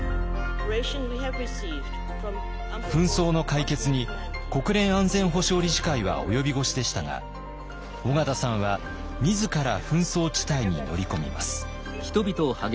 紛争の解決に国連安全保障理事会は及び腰でしたが緒方さんは自ら紛争地帯に乗り込みます。